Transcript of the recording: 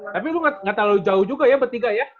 tapi lu gak terlalu jauh juga ya bertiga ya